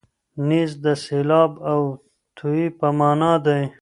نیز د سېلاب او توی په مانا دی.